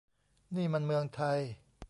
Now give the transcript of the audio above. นี่มันเมืองไทย !